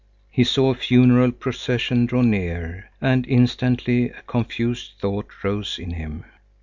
He saw a funeral procession draw near, and instantly a confused thought rose in him.